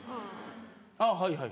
ああはいはい。